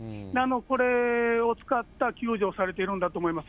これを使って救助をされてるんだと思います。